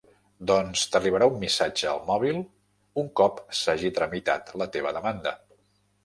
Doncs t'arribarà un missatge al mòbil un cop s'hagi tramitat la teva demanda.